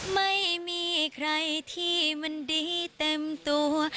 ไม่มีใครที่มันดีเต็มตัว